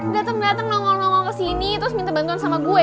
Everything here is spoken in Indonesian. dateng dateng nongol nongol kesini terus minta bantuan sama gue